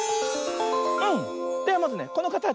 ではまずねこのかたち。